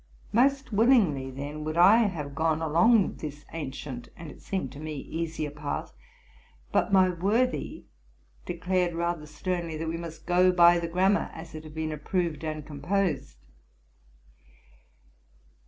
Most willingly, then, would I have gone on along this ancient and, as it seemed to me, easier path; but my worthy declared rather sternly that we must go by the grammar as it had been approved and composed.